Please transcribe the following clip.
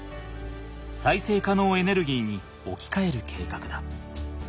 再生可能エネルギーにおきかえる計画だ。